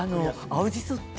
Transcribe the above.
青じそは。